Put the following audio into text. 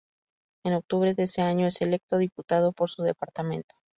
En octubre de ese año es electo diputado por su departamento.